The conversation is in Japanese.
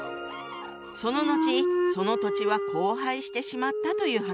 その後その土地は荒廃してしまったという話よ。